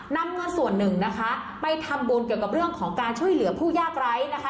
นำเงินส่วนหนึ่งนะคะไปทำบุญเกี่ยวกับเรื่องของการช่วยเหลือผู้ยากไร้นะคะ